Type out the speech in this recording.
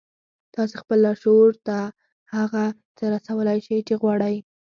تاسې خپل لاشعور ته هغه څه رسولای شئ چې غواړئ